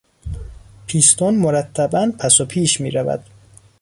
پیستون مرتبا پس و پیش میرود.